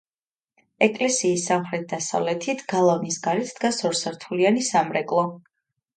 ეკლესიის სამხრეთ-დასავლეთით, გალავნის გარეთ, დგას ორსართულიანი სამრეკლო.